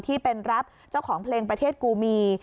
ที่เป็นรับเจ้าของเพลงประเทศกูมี